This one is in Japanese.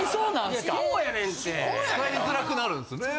使いづらくなるんですね。